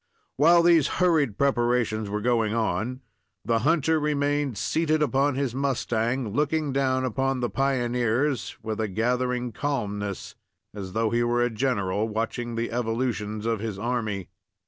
While these hurried preparations were going on, the hunter remained seated upon his mustang, looking down upon the pioneers with a gathering calmness, as though he were a general watching the evolutions of his army.